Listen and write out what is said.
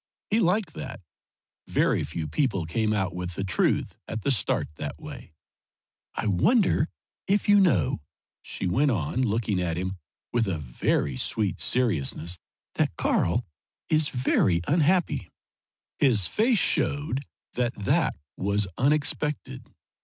He liked that. Very few people came out with the truth at the start that way. "I wonder if you know," she went on, looking at him with a very sweet seriousness, "that Karl is very unhappy?" His face showed that that was unexpected.